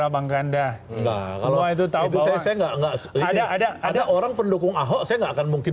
abangkanda semua itu tahu bahwa ada ada ada orang pendukung ahok saya nggak akan mungkin